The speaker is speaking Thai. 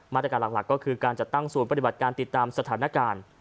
มาตรการหลักก็คือการจัดตั้งศูนย์ปฏิบัติการติดตามสถานการณ์